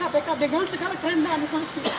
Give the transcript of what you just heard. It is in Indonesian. dekat dengan segala kerendahan saya